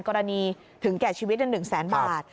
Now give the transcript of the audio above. กรณีถึงแก่ชีวิตใน๑๐๐๐๐๐บาท